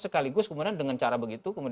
sekaligus kemudian dengan cara begitu